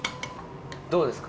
どうですか？